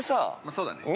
◆そうだね。